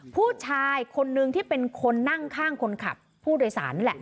ผู้ชายคนนึงที่เป็นคนนั่งข้างคนขับผู้โดยสารนั่นแหละ